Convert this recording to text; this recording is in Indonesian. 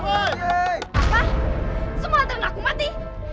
apa semua ternakku mati